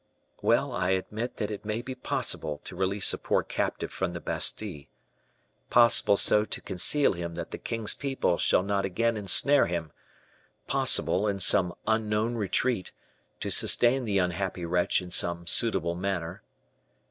"Well; I admit that it may be possible to release a poor captive from the Bastile; possible so to conceal him that the king's people shall not again ensnare him; possible, in some unknown retreat, to sustain the unhappy wretch in some suitable manner."